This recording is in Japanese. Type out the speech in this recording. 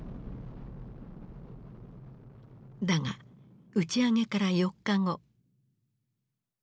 だが打ち上げから４日後。